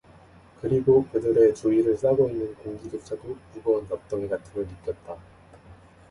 그리고 그들의 주위를 싸고 있는 공기조차도 무거운 납덩이 같음을 느꼈다.